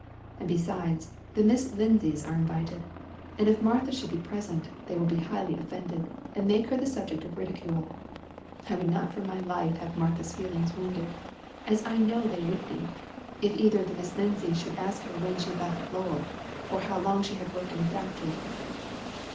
And besides, the Miss Lindsays are invited, and if Martha should be present, they will be highly offended, and make her the subject of ridicule. I would not for my life have Martha's feelings wounded, as I know they would be, if either of the Miss Lindsays should ask her when she left Lowell, or how long she had worked in a factory."